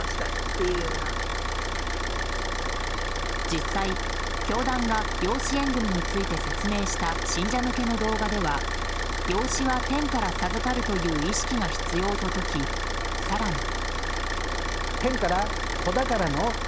実際、教団が養子縁組について説明した信者向けの動画では養子は天から授かるという意識が必要と説き、更に。